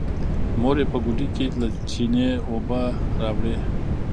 مور يې په ګوډي کې له چينې اوبه راوړې.